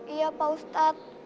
iya pak ustadz